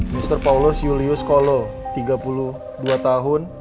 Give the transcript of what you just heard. mr paulus julius kolo tiga puluh dua tahun